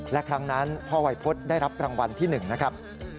และครั้งนั้นพ่อไวพฤติได้รับประมาณที่๑นะครับ